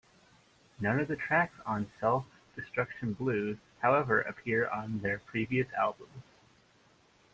None of the tracks on "Self Destruction Blues", however, appear on their previous albums.